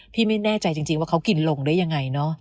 พี่ไม่แน่ใจจริงว่าเขากินลงได้ยังไงเนอะ